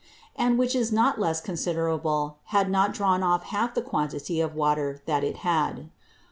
And, which is not less considerable, had not drawn off half the Quantity of Water that that had.